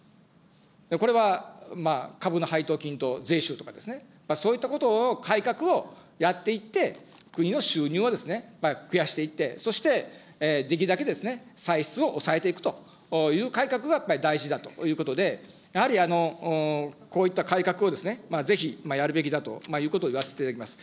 これはまあ株の配当金と税収とかですね、そういったことを改革をやっていって、国の収入をですね、増やしていって、そしてできるだけ歳出を抑えていくという改革がやっぱり大事だということで、やはりこういった改革をぜひやるべきだということを言わせていただきます。